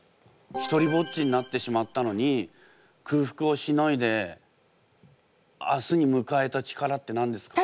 ひとりぼっちになってしまったのに空腹をしのいで明日にむかえた力って何ですか？